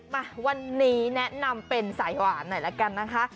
มาวันนี้แนะนำเป็นสายหวานหน่อยละกันนะคะ